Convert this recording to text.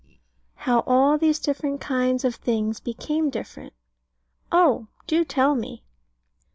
How all these different kinds of things became different. Oh, do tell me!